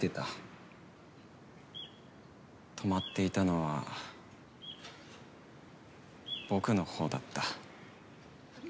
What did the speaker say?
止まっていたのは僕のほうだった。